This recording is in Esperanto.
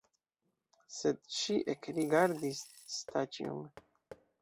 Sed ŝi ekrigardis Staĉjon.